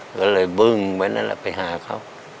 ก็เลยบึ้งไว้นั่นแหละไปหาเขา